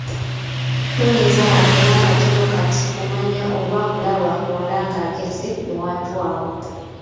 Toyinza wadde n'akatono kati kumanya oba kulaba muwala ng'agenze ewantu awo.